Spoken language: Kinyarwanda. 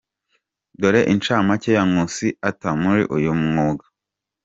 Dore incamake ya Nkusi Arthur muri uyu mwuga.